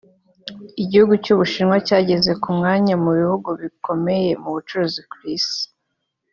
Igihugu cy’u Bushinwa cyageze ku mwanya wa mu bihugu bikomeye mu bucuruzi ku isi